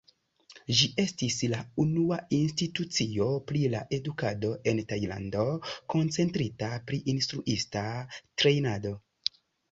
Ĝi estis la unua institucio pri la edukado en Tajlando, koncentrita pri instruista trejnado.